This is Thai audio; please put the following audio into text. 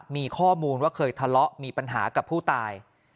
มีข้อมูลว่าเคยทะเลาะมีปัญหากับผู้ตาย